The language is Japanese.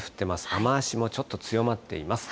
雨足もちょっと強まっています。